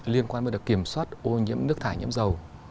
liên quan đến kiểm soát ô nhiễm nước thải nhiễm dầu